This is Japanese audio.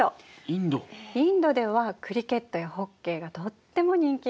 インドではクリケットやホッケーがとっても人気があるの。